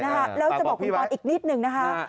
แล้วจะบอกคุณปอนอีกนิดนึงนะคะ